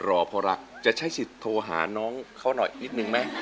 รอเพราะรักจะใช้สิทธิ์โทรหาน้องเขาหน่อยนิดนึงไหม